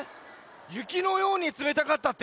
ゆきのようにつめたかったって？